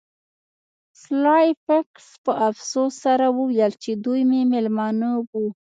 سلای فاکس په افسوس سره وویل چې دوی مې میلمانه وو